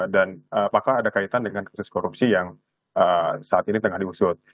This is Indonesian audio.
dan apakah ada kaitan dengan kasus korupsi yang saat ini tengah diusut